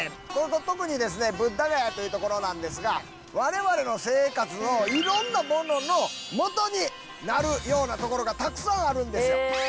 特にブッダガヤという所なんですがわれわれの生活のいろんなもののモトになるようなところがたくさんあるんですよ。